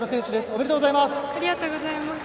おめでとうございます。